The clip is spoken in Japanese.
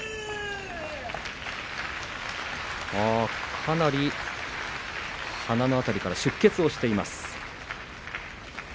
かなり鼻の辺りから出血しています。